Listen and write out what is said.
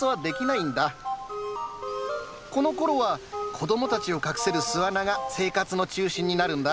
このころは子供たちを隠せる巣穴が生活の中心になるんだ。